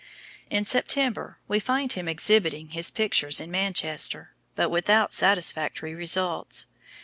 In September we find him exhibiting his pictures in Manchester, but without satisfactory results.